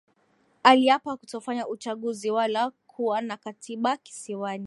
Aliapa kutofanya uchaguzi wala kuwa na Katiba Kisiwani